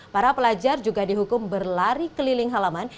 para pelajar juga dihukum berlari keliling halaman